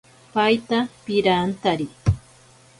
Paita pirantari.